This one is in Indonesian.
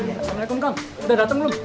waalaikumsalam kang udah dateng belum